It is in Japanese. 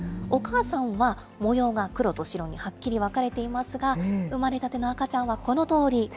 お母さんは、模様が黒と白にはっきり分かれていますが、産まれたての赤ちゃんはこのとおり。